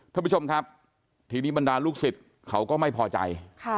ท่านผู้ชมครับทีนี้บรรดาลูกศิษย์เขาก็ไม่พอใจ